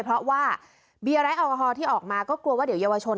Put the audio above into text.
เพราะว่าเบียร์ไร้แอลกอฮอลที่ออกมาก็กลัวว่าเดี๋ยวเยาวชน